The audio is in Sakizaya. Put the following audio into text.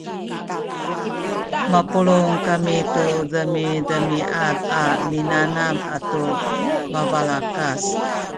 mapulung kami tu demidemiad a minanam atu mabalakas